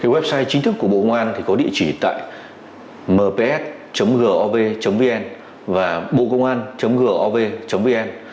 website chính thức của bộ công an có địa chỉ tại mps gov vn và bocôngan gov vn